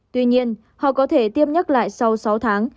tuy nhiên họ có thể tiêm nhắc lại sau sáu tháng